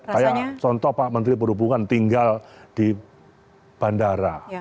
kayak contoh pak menteri perhubungan tinggal di bandara